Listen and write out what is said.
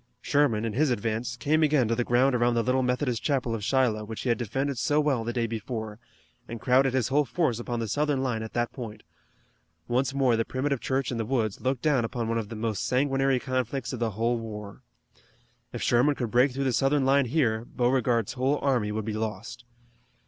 Sherman, in his advance, came again to the ground around the little Methodist chapel of Shiloh which he had defended so well the day before, and crowded his whole force upon the Southern line at that point. Once more the primitive church in the woods looked down upon one of the most sanguinary conflicts of the whole war. If Sherman could break through the Southern line here Beauregard's whole army would be lost.